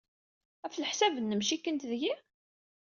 Ɣef leḥsab-nnem, cikkent deg-i?